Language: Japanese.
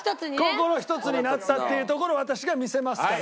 心ひとつになったっていうところを私が見せますから。